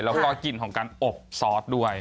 แล้วก็กลิ่นของการอบซอสด้วย